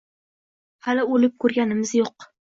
Hali oʼlib koʼrganimiz yoʼq